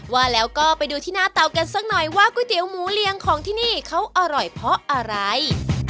ว่าแล้วก็ไปดูที่หน้าเตากันสักหน่อยว่าก๋วยเตี๋ยวหมูเรียงของที่นี่เขาอร่อยเพราะอะไร